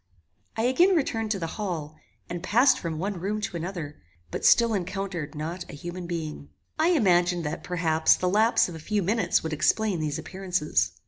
I again returned to the hall, and passed from one room to another, but still encountered not a human being. I imagined that, perhaps, the lapse of a few minutes would explain these appearances.